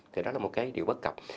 thì đó là một cái điều bất cập